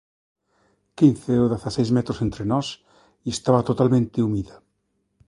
Quince ou dezaseis metros entre nós e estaba totalmente húmida.